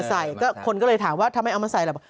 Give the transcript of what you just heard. อันนึงนิกซ์มาให้ใส่คนก็เลยถามว่าถ้าไม่เอามาใส่อะไร